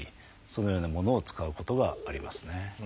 そのようなものを使うことがありますね。